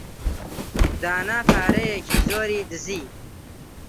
دانا پارەیەکی زۆری دزی.